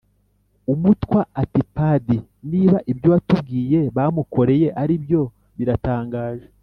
” umutwa ati ”padi, niba ibyo watubwiye bamukoreye aribyo biratangaje